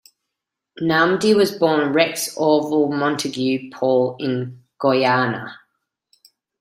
Nnamdi was born Rex Orville Montague Paul in Guyana.